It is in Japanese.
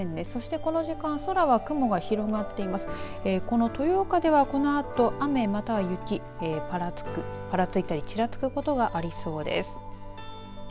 この豊岡ではこのあと雨または雪ぱらついたりちらつくことがありそうです。